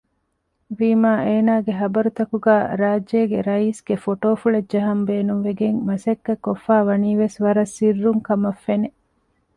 ވީމާ އޭނާގެ ޚަބަރުތަކުގައި ރާއްޖޭގެ ރައީސްގެ ފޮޓޯފުޅެއް ޖަހަން ބޭނުންވެގެން މަސައްކަތްކޮށްފައިވަނީވެސް ވަރަށް ސިއްރުންކަމަށްފެނެ